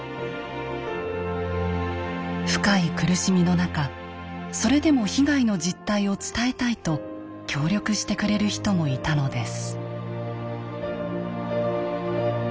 深い苦しみの中それでも被害の実態を伝えたいと協力してくれる人もいたのです。